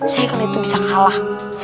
seikal itu bisa kalah